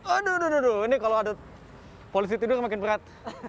aduh aduh ini kalau ada polisi tidur makin berat